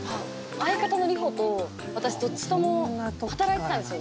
相方のＲＩＨＯと私どっちとも働いてたんですよ